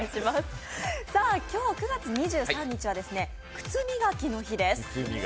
今日９月２３日は靴磨きの日です。